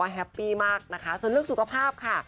แฮปปี้มากนะคะส่วนเรื่องสุขภาพค่ะ